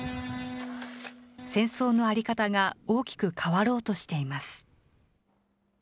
戦争の在り方が大きく変わろうとしています。